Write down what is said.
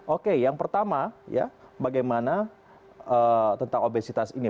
oke yang pertama ya bagaimana tentang obesitas ini